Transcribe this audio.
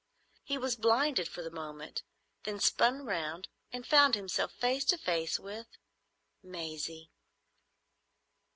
He was blinded for the moment, then spun round and found himself face to face with—Maisie.